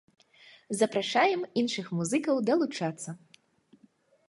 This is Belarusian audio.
Запрашаем іншых музыкаў далучацца!